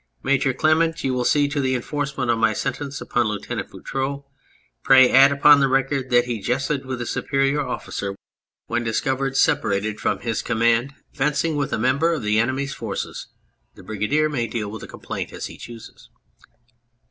Major Clement, you will see to the enforcement of my sentence upon Lieutenant Boutroux. Pray add upon the record that he jested with a superior officer when discovered, separated 227 Q 2 On Anything from his command, fencing with a member of the enemy's forces. The Brigadier may deal with the complaint as he chooses.